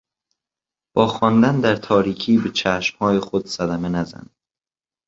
با خواندن در تاریکی به چشمهای خود صدمه نزن.